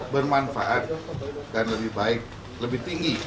bermanfaat dan lebih baik lebih tinggi